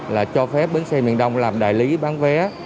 là cho phép bến xe miền đông làm đại lý bán vé